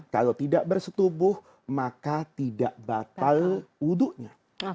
kalau tidak bersetubuh maka tidak batal wudhunya